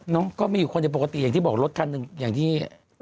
น้องก็มีคนอย่างปกติอย่างที่บอกรถขั้นอย่างนี้